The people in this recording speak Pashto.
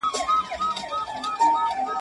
ځان یې دروند سو لکه کاڼی په اوبو کي.